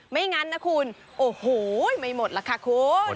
ไม่งั้นนะคุณโอ้โหไม่หมดล่ะค่ะคุณ